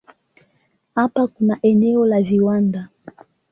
Hapa kuna eneo la viwanda.